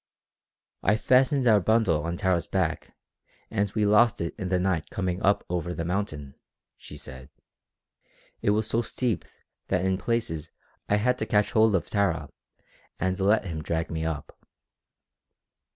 "I fastened our bundle on Tara's back and we lost it in the night coming up over the mountain," she said. "It was so steep that in places I had to catch hold of Tara and let him drag me up."